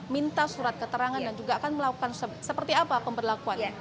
minta surat keterangan dan juga akan melakukan seperti apa pemberlakuan